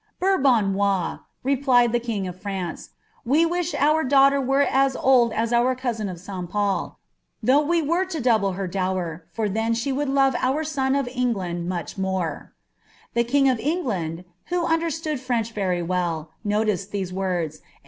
"* Bourbonnois,' replied the king of Ftanee, * w« wi»h OOT AUfhW were at old as our cousin of SL Pol,' thougit we were lo dosUe h*r dowrr. for (hen she would l<ive our aon of England much ntne^* " The king uf England, who understood French well, notieod ihm words, and.